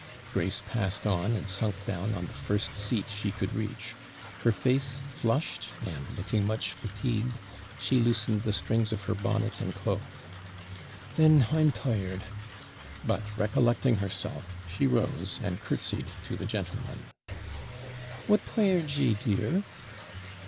Grace passed on, and sunk down on the first seat she could reach. Her face flushed, and, looking much fatigued, she loosened the strings of her bonnet and cloak 'Then, I'm tired;' but, recollecting herself, she rose, and curtsied to the gentleman. 'What tired ye, dear?'